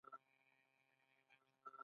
خو د افغانستان خاوره یې و نه نیوله.